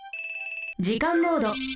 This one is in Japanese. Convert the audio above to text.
時間モード。